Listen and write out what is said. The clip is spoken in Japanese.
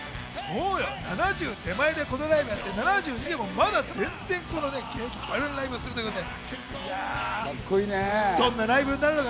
７０手前でこのライブをやって、７２でもまだ全然元気でライブをするということで。